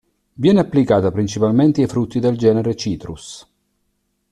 Viene applicata principalmente ai frutti del genere "Citrus.